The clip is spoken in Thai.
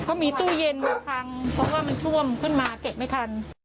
เขามีตู้เย็นมาพังเพราะว่ามันท่วมขึ้นมาเก็บไม่ทัน